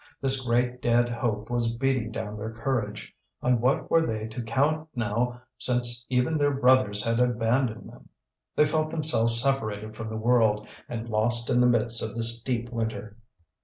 This great dead hope was beating down their courage. On what were they to count now since even their brothers had abandoned them? They felt themselves separated from the world and lost in the midst of this deep winter.